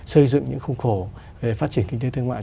xây dựng những khung khổ về phát triển kinh tế thương mại